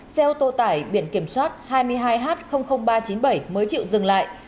xe ô tô tải biển kiểm soát hai mươi hai h ba trăm chín mươi bảy mới chịu dừng lại